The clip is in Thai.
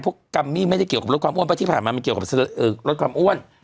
กัมมี่ไม่ได้เกี่ยวกับลดความอ้วนเพราะที่ผ่านมามันเกี่ยวกับลดความอ้วน